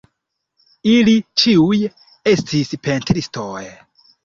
Ili ĉiuj estis pentristoj.